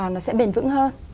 nó sẽ bền vững hơn